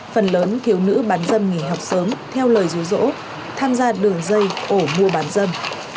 phần lớn khiếu nữ bán dâm nghỉ học sớm theo lời dù dỗ tham gia đường dây ổ mua bán dâm